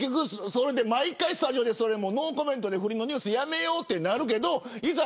毎回スタジオでノーコメントで不倫のニュースやめようとなるけどいざ